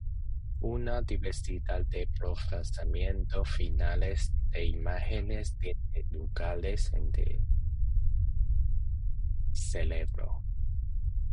Una diversidad de procesamientos finales de imágenes tiene lugar en el cerebro.